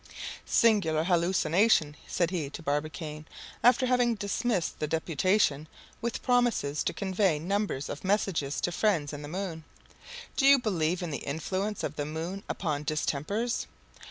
"Singular hallucination!" said he to Barbicane, after having dismissed the deputation with promises to convey numbers of messages to friends in the moon. "Do you believe in the influence of the moon upon distempers?"